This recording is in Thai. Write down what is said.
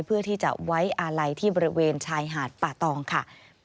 เพื่อที่จะไว้อาลัยที่บริเวณชายหาดป่าตองค่ะ